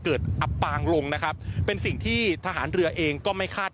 อับปางลงนะครับเป็นสิ่งที่ทหารเรือเองก็ไม่คาด